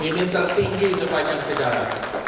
ini tertinggi sepanjang sejarah